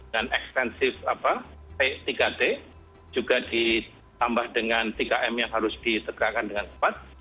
dan ekstensif tiga t juga ditambah dengan tiga m yang harus ditegakkan dengan cepat